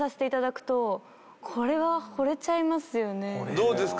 どうですか？